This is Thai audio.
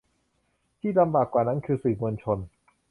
ที่ลำบากกว่านั้นคือสื่อมวลชน